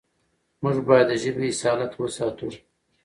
موږ بايد د ژبې اصالت وساتو.